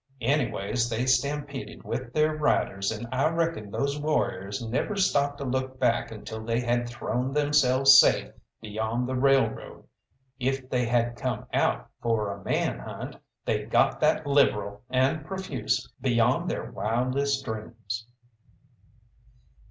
Anyways, they stampeded with their riders, and I reckon those warriors never stopped to look back until they had thrown themselves safe beyond the railroad. If they had come out for a man hunt, they got that liberal and profuse beyond their wildest dreams.